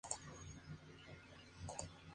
Tiene que elegir entre su mujer o su amante.